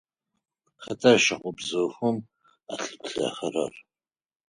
Хэта щагубзыухэм алъыплъэхэрэр?